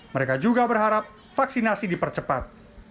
mereka juga berharap vaksinasi dipercepat